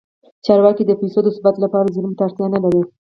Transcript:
چارواکي د پیسو د ثبات لپاره زیرمو ته اړتیا نه لري.